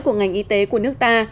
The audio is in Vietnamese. của ngành y tế của nước ta